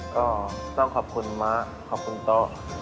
ก็ต้องขอบคุณม้าขอบคุณโต๊ะ